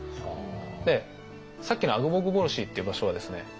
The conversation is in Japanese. でさっきのアグボグブロシーっていう場所はですね